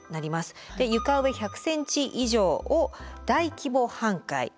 床上１００ｃｍ以上を大規模半壊。